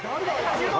注目！